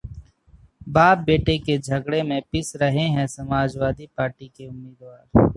बाप-बेटे के झगड़े में पिस रहे हैं समाजवादी पार्टी के उम्मीदवार